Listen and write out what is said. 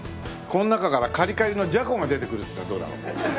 この中からカリカリのじゃこが出てくるっていうのはどうだろう？